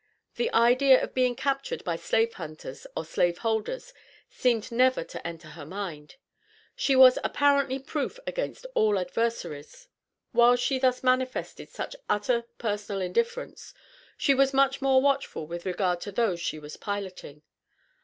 The idea of being captured by slave hunters or slave holders, seemed never to enter her mind. She was apparently proof against all adversaries. While she thus manifested such utter personal indifference, she was much more watchful with regard to those she was piloting.